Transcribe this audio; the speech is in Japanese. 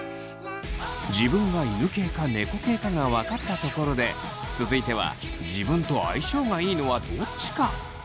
自分が犬系か猫系かが分かったところで続いては自分と相性がいいのはどっちか？